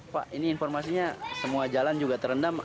pak ini informasinya semua jalan juga terendam